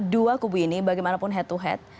dua kubu ini bagaimanapun head to head